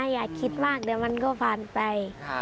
อย่าคิดมากเดี๋ยวมันก็ผ่านไป